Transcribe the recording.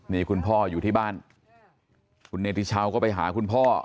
นี่คุณพ่ออยู่ที่บ้านคุณเนติชาวก็ไปหาคุณพ่อ